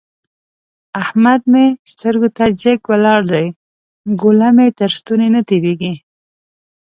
احمد مې سترګو ته جګ ولاړ دی؛ ګوله مې تر ستوني نه تېرېږي.